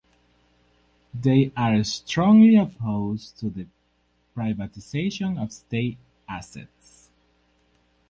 They are strongly opposed to the privatization of state assets.